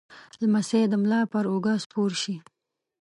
لمسی د ملا پر اوږه سپور شي.